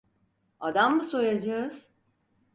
Adam mı soyacağız?